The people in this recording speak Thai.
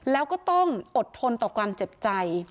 แล้วก็ต้องอดทนต่อความเจ็บใจ